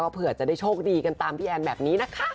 เผื่อจะได้โชคดีกันตามพี่แอนแบบนี้นะคะ